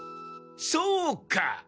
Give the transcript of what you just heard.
そうか！